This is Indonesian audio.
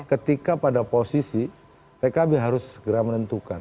ketika pada posisi pkb harus segera menentukan